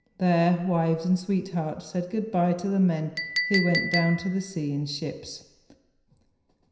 There wives and sweethearts said goodby to the men who went "down to the sea in ships."